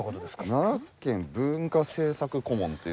奈良県文化政策顧問というのを。